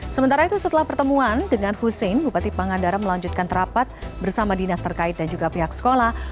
sementara itu setelah pertemuan dengan hussein bupati pangandaran melanjutkan terapat bersama dinas terkait dan juga pihak sekolah